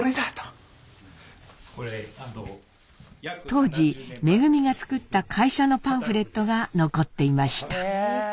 当時恩が作った会社のパンフレットが残っていました。